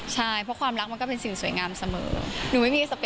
ใช่เพราะความรักมันก็เป็นสิ่งสวยงามเสมอ